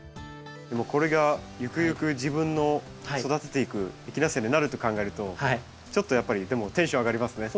これがゆくゆく自分の育てていくエキナセアになると考えるとちょっとやっぱりでもテンション上がりますね。